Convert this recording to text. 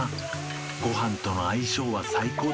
ご飯との相性は最高だし